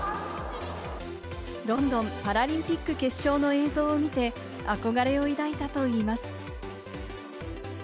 ロンドンパラリンピック決勝の映像を見て、憧れを抱いたのだといいます。